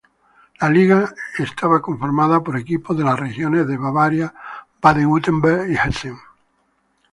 La liga era conformada por equipos de las regiones de Bavaria, Baden-Württemberg y Hessen.